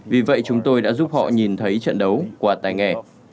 vì vậy chúng tôi đã giúp họ nhìn thấy trận đấu qua tài nghệ